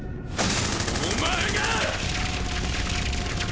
お前が！